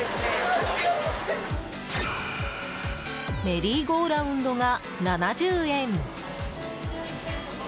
メリーゴーラウンドが７０円。